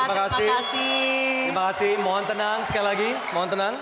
terima kasih mohon tenang sekali lagi mohon tenang